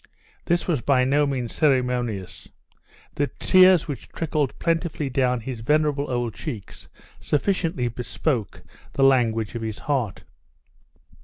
This was by no means ceremonious; the tears which trickled plentifully down his venerable old cheeks, sufficiently bespoke the language of his heart.